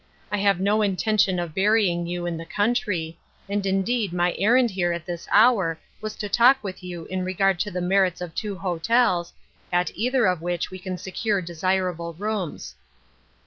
I have no intention of burying you in the country, and indeed my errand here at this hour was to talk with you in regard to the merits of two hotels, at either of which we can secure desirable rooms."